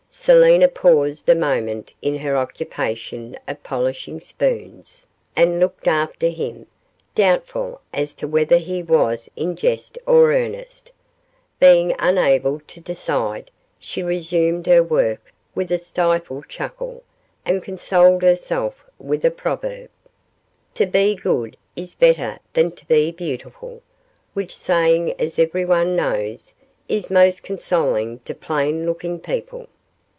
Selina paused a moment in her occupation of polishing spoons, and looked after him, doubtful as to whether he was in jest or earnest. Being unable to decide, she resumed her work with a stifled chuckle, and consoled herself with a proverb. 'To be good is better than to be beautiful,' which saying, as everyone knows, is most consoling to plain looking people.